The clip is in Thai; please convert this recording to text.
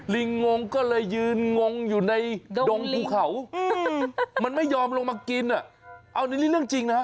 ลิงงก็เลยยืนงงอยู่ในดงภูเขามันไม่ยอมลงมากินอ่ะเอานี่เรื่องจริงนะฮะ